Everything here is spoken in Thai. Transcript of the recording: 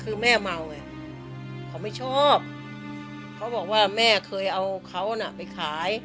คือแม่เมาไงเขาไม่ชอบเขาบอกว่าแม่เคยเอาเขาน่ะไปขาย